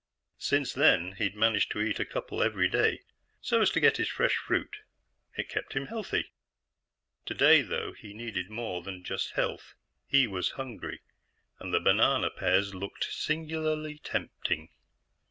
Since then, he'd managed to eat a couple every day, so's to get his fresh fruit. It kept him healthy. Today, though, he needed more than just health; he was hungry, and the banana pears looked singularly tempting.